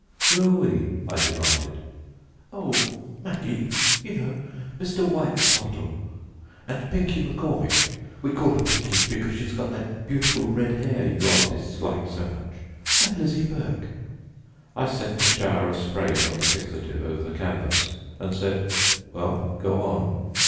"Who are 'we'?" I demanded. "Oh, Maggie, you know, Mr. Whyte's model, and Pinkie McCormick we call her Pinkie because she's got that beautiful red hair you artists like so much and Lizzie Burke." I sent a shower of spray from the fixative over the canvas, and said: "Well, go on."